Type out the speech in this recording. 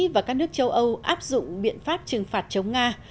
và các nước châu âu áp dụng biện pháp trừng phạt chống nga